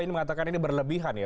ini mengatakan ini berlebihan ya